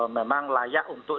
memang layak untuk